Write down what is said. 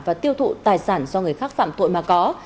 và tiêu thụ tài sản do người khác phạm tội mà có